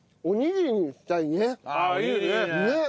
おにぎりいいね。